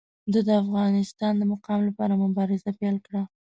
ده د افغانستان د مقام لپاره مبارزه پیل کړه.